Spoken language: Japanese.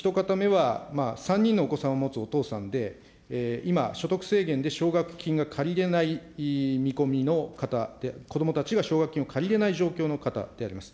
まず一方目は、３人のお子さんを持つお父さんで、今、所得制限で、奨学金が借りれない見込みの方、こどもたちが奨学金を借りれない状況の方であります。